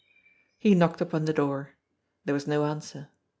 He knocked upon the door. There was no answer.